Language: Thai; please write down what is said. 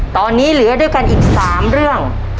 ตอนนี้เหลือด้วยกันอีก๓เรื่อง